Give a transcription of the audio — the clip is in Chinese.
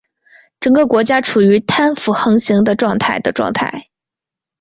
整个国家处于贪腐横行的状态的状态。